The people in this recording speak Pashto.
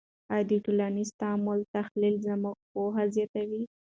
آیا د ټولنیز تعامل تحلیل زموږ پوهه زیاتوي؟